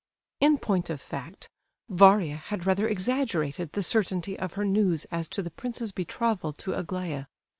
V. In point of fact, Varia had rather exaggerated the certainty of her news as to the prince's betrothal to Aglaya.